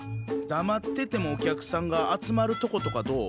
だまっててもお客さんが集まるとことかどう？